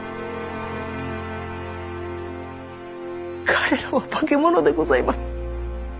彼らは化け物でございます。